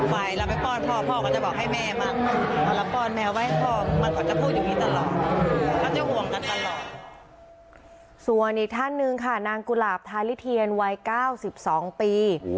วันนี้ท่านหนึวค่ะนางกุหลับทาริเทียนวัน๙๒ปี